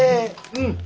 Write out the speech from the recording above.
うん。